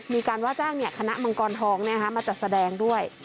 มีการว่าจ้างคณะมังกรทองมาจัดแสดงด้วย